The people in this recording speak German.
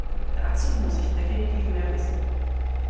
Dazu muss ich definitiv mehr wissen.